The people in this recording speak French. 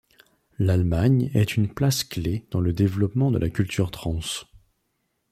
L'Allemagne est une place clé dans le développement de la culture trance.